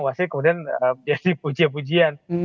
wasit kemudian jadi puji pujian